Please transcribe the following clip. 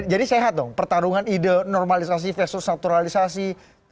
jadi sehat dong pertarungan ide normalisasi versus naturalisasi